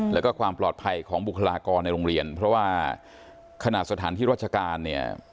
แล้วก็ความปลอดภัยของบุคลากรในโรงเรียนเพราะว่าขณะสถานที่ราชการเนี่ย